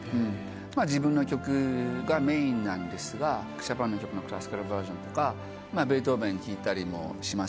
自分の曲がメインなんですがショパンの曲のクラシカルバージョンとかベートーベン弾いたりもします。